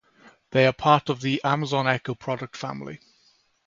They are part of the Amazon Echo product family.